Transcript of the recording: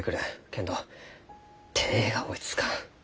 けんど手が追いつかん。